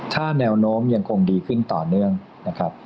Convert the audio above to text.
ถ้าแนวโน้มยังคงดีขึ้นต่อเนื่องนะครับ